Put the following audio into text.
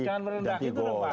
jangan merendah gitu dong pak